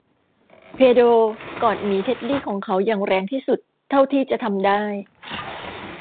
เพโดรกอดหมีเท็ดดี้ของเขาอย่างแรงที่สุดเท่าที่จะทำได้